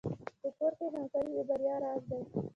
په کور کې همکاري د بریا راز دی.